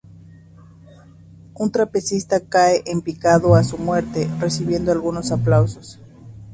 Un trapecista cae en picado a su muerte, recibiendo algunos aplausos.